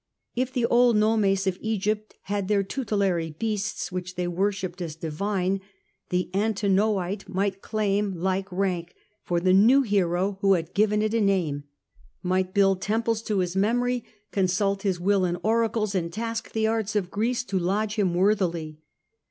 If the old nomes of Egypt had their tutelary beasts which they worshipped as divine, the Antinoite might claim like rank for the new hero who had given it a name, might build temples to his memory, con sult his will in oracles, and task the arts of Greece to lodge him worthily.